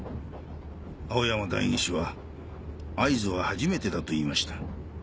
青山代議士は会津は初めてだと言いました。